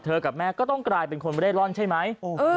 เธอกับแม่ก็ต้องกลายเป็นคนเวร่ร่อนใช่ไหม